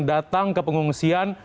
yang sudah ada yang datang ke pengungsian